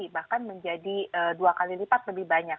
bahkan menjadi dua kali lipat lebih banyak